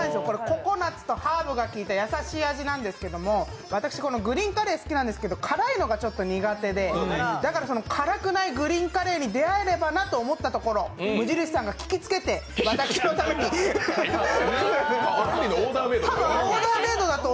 ココナツとハーブが効いた優しい味なんですけど私、グリーンカレー好きなんですけど、辛いのがちょっと苦手でだから、辛くないグリーンカレーに出会えればなと思ったところ無印さんが聞きつけて、私のためにあんりのオーダーメードなの？